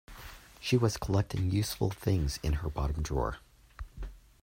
She was collecting useful things in her bottom drawer